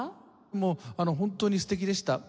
もう本当に素敵でした。